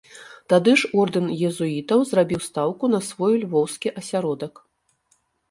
Тады ж ордэн езуітаў зрабіў стаўку на свой львоўскі асяродак.